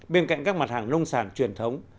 bên cạnh các mặt hàng nông sản truyền thống